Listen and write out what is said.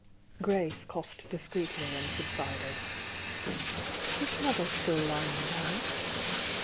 Grace coughed discreetly and subsided. "Is mother still lying down?"